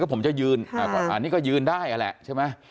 ผมจะยืนอันนี้ก็ยืนได้นั่นแหละใช่ไหม